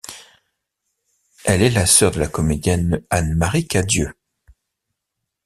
Elle est la sœur de la comédienne Anne-Marie Cadieux.